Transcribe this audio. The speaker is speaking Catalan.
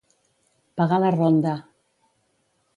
Pagar la ronda.